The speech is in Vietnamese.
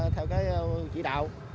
theo chỉ đạo